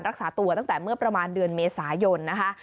รักษาตัวตั้งแต่เมื่อประมาณเดือนเมษายนนะคะ